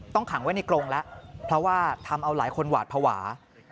ขังไว้ในกรงแล้วเพราะว่าทำเอาหลายคนหวาดภาวะ